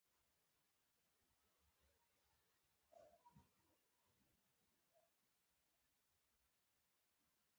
هر څوک څه مسوولیت لري؟